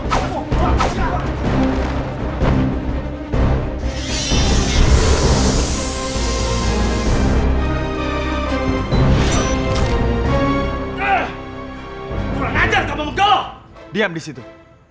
terus berjalan lunggu selamat vishnu